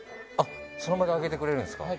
その場で揚げてくれるんですか？